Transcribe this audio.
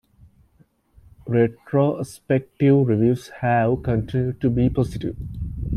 Retrospective reviews have continued to be positive.